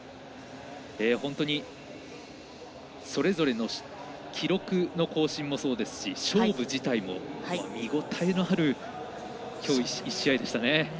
本当にそれぞれの記録の更新もそうですし勝負自体も見応えがありましたね。